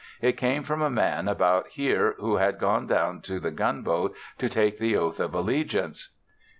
It came from a man about here who had gone down to the Gunboat to take the oath of allegiance.